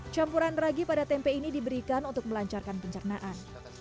campuran ragi pada tempe ini diberikan untuk melancarkan pencernaan